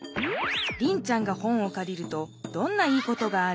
リンちゃんが本をかりるとどんないいことがある？